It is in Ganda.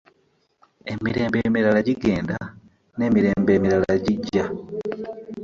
Emirembe emirala gigenda, n'emirembe emirala gijja.